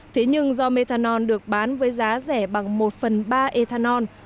thế nhưng do metanol được bán với giá rẻ bằng một phần ba etanol